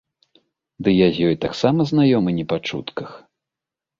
Дый я з ёй таксама знаёмы не па чутках.